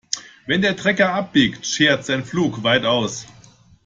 Wenn der Trecker abbiegt, schert sein Pflug weit aus.